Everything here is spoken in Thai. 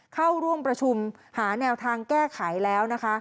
เข้าร่วมประชุมหาแนวทางแก้ไขแล้วนะคะ